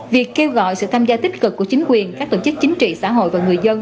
việc kêu gọi sự tham gia tích cực của chính quyền các tổ chức chính trị xã hội và người dân